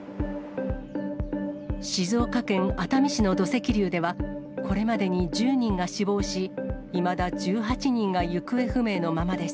静岡県熱海市の土石流では、これまでに１０人が死亡し、いまだ１８人が行方不明のままです。